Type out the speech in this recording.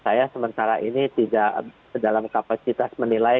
saya sementara ini tidak dalam kapasitas menilai